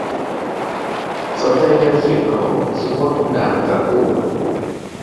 สนใจงานเขียนของ สุพจน์ ด่านตระกูล